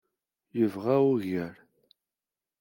Yebɣa ugar.